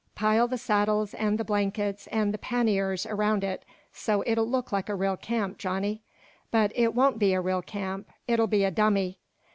"Pile the saddles, an' the blankets, an' the panniers around it, so it'll look like a real camp, Johnny. But it won't be a real camp. It'll be a dummy.